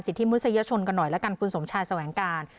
ทิมนุษยชนกันหน่อยละกันคุณสมชายแสวงการ